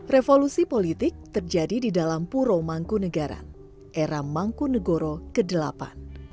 revolusi politik terjadi di dalam pura mangku negara era mangku negoro viii